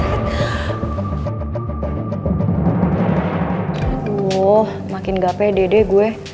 aduh makin gak pede deh gue